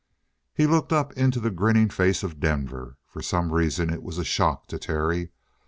He looked up into the grinning face of Denver. For some reason it was a shock to Terry.